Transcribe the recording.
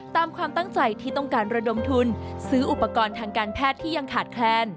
ตามความตั้งใจที่ต้องการระดมทุนซื้ออุปกรณ์ทางการแพทย์ที่ยังขาดแคลน